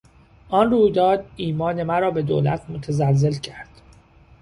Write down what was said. آن رویداد ایمان مرا به دولت متزلزل کرد.